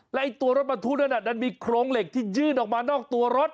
และตัวรถบรรทุกนั้นดันมีโครงเหล็กที่ยื่นออกมานอกตัวรถ